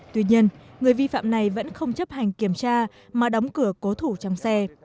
tuy nhiên người vi phạm này vẫn không chấp hành kiểm tra mà đóng cửa cố thủ trong xe